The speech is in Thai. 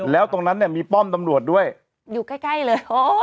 แล้วตรงนั้นเนี่ยมีป้อมตำรวจด้วยอยู่ใกล้เลย